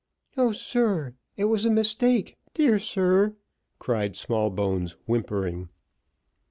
"O sir it was a mistake dear sir," cried Smallbones, whimpering.